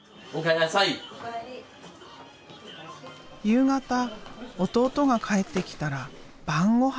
夕方弟が帰ってきたら晩ごはん。